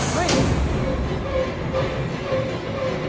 ไม่เป็นไร